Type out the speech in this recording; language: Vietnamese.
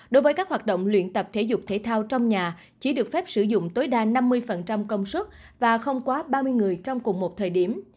đối với các hoạt động luyện tập thể dục thể thao trong nhà chỉ được phép sử dụng tối đa năm mươi công suất và không quá ba mươi người trong cùng một thời điểm